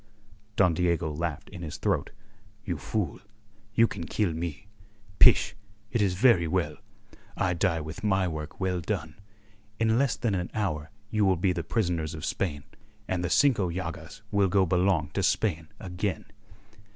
Don Diego laughed in his throat. "You fool! You can kill me. Pish! It is very well. I die with my work well done. In less than an hour you will be the prisoners of Spain, and the Cinco Llagas will go belong to Spain again."